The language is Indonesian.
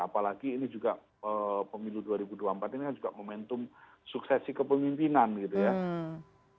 apalagi ini juga pemilu dua ribu dua puluh empat ini kan juga momentum suksesi kepemimpinan gitu ya